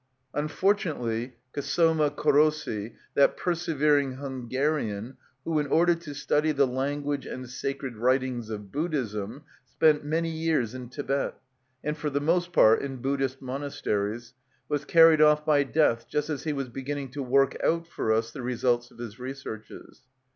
Unfortunately Csoma Körösi, that persevering Hungarian, who, in order to study the language and sacred writings of Buddhism, spent many years in Tibet, and for the most part in Buddhist monasteries, was carried off by death just as he was beginning to work out for us the results of his researches.